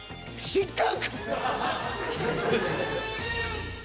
失格！